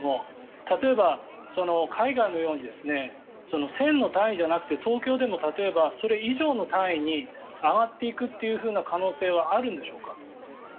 例えば、海外のように１０００の単位じゃなくて東京でも例えばそれ以上の単位に上がっていく可能性はあるんでしょうか。